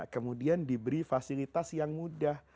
kemudian diberi fasilitas yang mudah